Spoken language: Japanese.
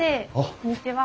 こんにちは。